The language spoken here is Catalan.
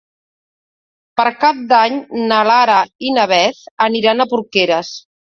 Per Cap d'Any na Lara i na Beth aniran a Porqueres.